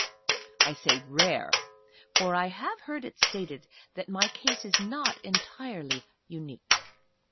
I say rare, for I have heard it stated that my case is not entirely unique.